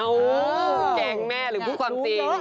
เอ้าววแกงแม่หรือพูดความจริง